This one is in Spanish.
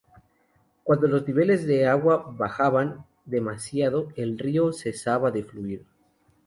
Cuando los niveles de agua bajaban demasiado, el río cesaba de fluir.